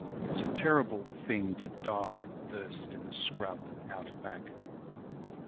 it's a terrible thing to die of thirst in the scrub Out Back.